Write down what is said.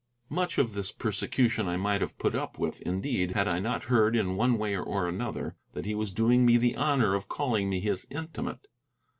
Much of this persecution I might have put up with, indeed, had I not heard, in one way or another, that he was doing me the honor of calling me his intimate.